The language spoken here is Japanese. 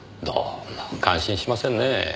どうも感心しませんねえ。